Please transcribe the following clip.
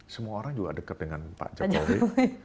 semua orang juga dekat dengan pak jokowi